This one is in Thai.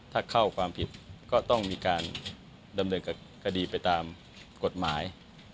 ถ้าเข้าความผิดก็ต้องมีการดำเนินคดีไปตามกฎหมาย